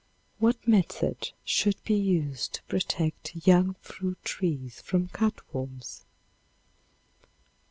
What method should be used to protect young fruit trees from cutworms?